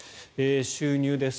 収入です。